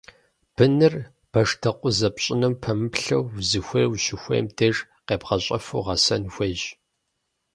Быныр, башдэкъузэ пщӀыным пэмыплъэу, узыхуейр ущыхуейм деж къебгъэщӀэфу гъэсэн хуейщ.